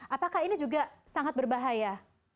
apakah ini juga sangat berbahaya